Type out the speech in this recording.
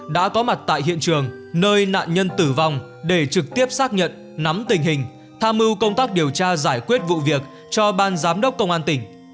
đã có mặt tại hiện trường nơi nạn nhân tử vong để trực tiếp xác nhận nắm tình hình tham mưu công tác điều tra giải quyết vụ việc cho ban giám đốc công an tỉnh